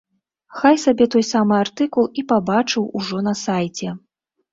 Хай сабе той самы артыкул і пабачыў ужо на сайце.